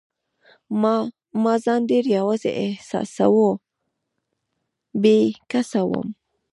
ما ځان ډېر یوازي احساساوه، بې کسه وم.